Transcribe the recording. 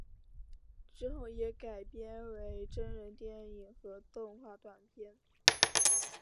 之后也改编为真人电影和动画短片。